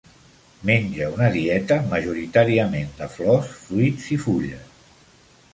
Menja una dieta majoritàriament de flors, fruits i fulles.